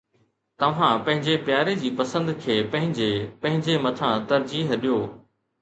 توھان پنھنجي پياري جي پسند کي پنھنجي پنھنجي مٿان ترجيح ڏيو.